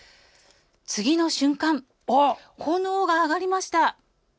次の瞬間、炎が上がりました。